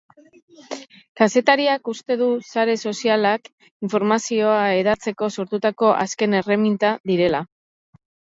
Kazetariak uste du sare sozialak informazioa hedatzeko sortutako azken erreminta direla.